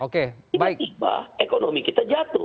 tiba tiba ekonomi kita jatuh